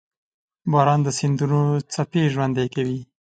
• باران د سیندونو څپې ژوندۍ کوي.